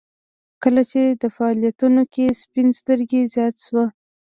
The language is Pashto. کله چې په فعاليتونو کې سپين سترګي زياته شوه.